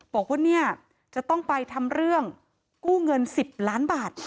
บอกว่าเนี่ยจะต้องไปทำเรื่องกู้เงิน๑๐ล้านบาท